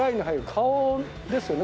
顔ですよね